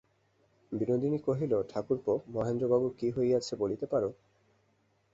বিনোদিনী কহিল, ঠাকুরপো, মহেন্দ্রবাবুর কী হইয়াছে, বলিতে পার?